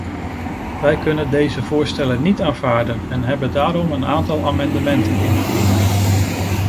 Wij kunnen deze voorstellen niet aanvaarden en hebben daarom een aantal amendementen ingediend.